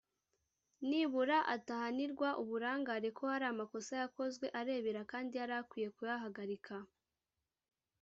nibura atahanirwa uburangare; ko hari amakosa yakozwe arebera kandi yari akwiye kuyahagarika